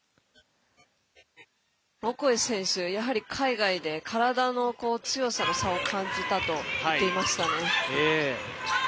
オコエ選手やはり海外で体の強さの差を感じたと言っていましたね。